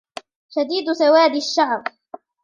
شَديدُ سَوادِ الشَّعْرِ